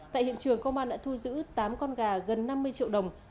tại hiện trường công an đã thu giữ tám con gà gần năm mươi triệu đồng